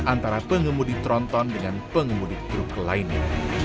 antara pengemudi tronton dengan pengemudi truk lainnya